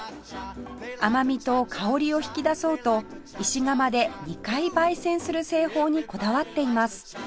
甘みと香りを引き出そうと石釜で２回焙煎する製法にこだわっています